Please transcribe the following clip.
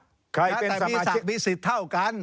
แต่มีศักดิ์มีสิทธิ์เท่ากัน